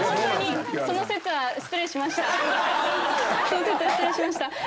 その節は失礼しました